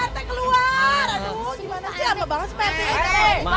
pak rt keluar